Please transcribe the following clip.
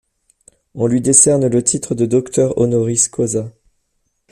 On lui décerne le titre de docteur honoris causa.